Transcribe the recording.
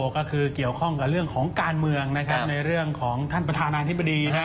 ก็คือเกี่ยวข้องกับเรื่องของการเมืองนะครับ